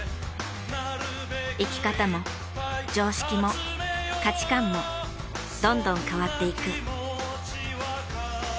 生き方も常識も価値観もどんどん変わっていく。